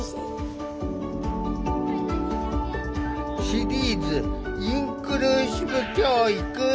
シリーズ「インクルーシブ教育」。